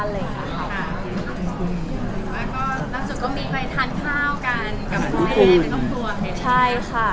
แล้วก็ตอนสุดก็มีไปทานข้าวกันกับคุณแม่เป็นคุณครัว